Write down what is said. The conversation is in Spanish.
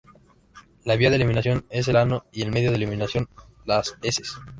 La vía de eliminación es el ano y el medio de eliminación, las heces.